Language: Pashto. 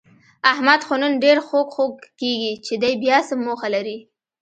احمد خو نن ډېر خوږ خوږ کېږي، چې دی بیاڅه موخه لري؟